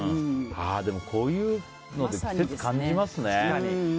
こういうので季節感じますね。